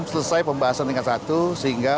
selesai pembahasan tingkat satu sehingga